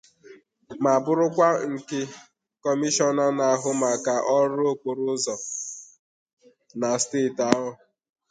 ma bụrụkwa nke Kọmishọna na-ahụ maka ọrụ okporo ụzọ na steeti ahụ